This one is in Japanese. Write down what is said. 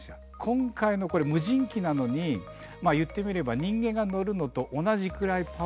今回のこれ無人機なのにいってみれば人間が乗るのと同じくらいパワフルなロケットを積んでるんですよ。